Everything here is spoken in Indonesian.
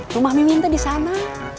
rumah mimin tuh disana